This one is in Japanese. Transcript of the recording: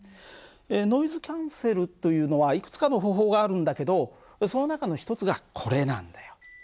ノイズキャンセルというのはいくつかの方法があるんだけどその中の一つがこれなんだよ。